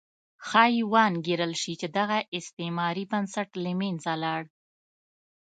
ښایي وانګېرل شي چې دغه استعماري بنسټ له منځه لاړ.